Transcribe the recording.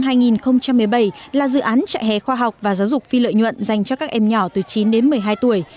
năm hai nghìn một mươi bảy là dự án trại hè khoa học và giáo dục phi lợi nhuận dành cho các em nhỏ từ chín đến một mươi hai tuổi